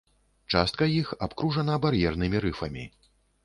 Частка іх абкружана бар'ернымі рыфамі.